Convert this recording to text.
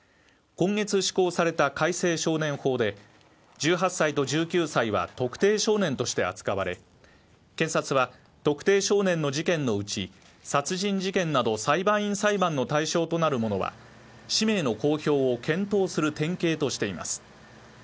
今月施行された改正少年法で１８歳と１９歳は特定少年として扱われ、検察は、特定少年の事件のうち、殺人事件など裁判員裁判の対象となるものは氏名の公表を検討する典型としています。